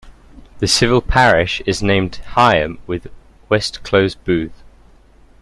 The civil parish is named Higham with West Close Booth.